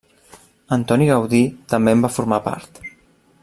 Antoni Gaudí també en va formar part.